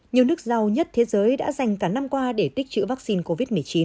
nhiều nước giàu nhất thế giới đã dành cả năm qua để tích chữ vaccine covid một mươi chín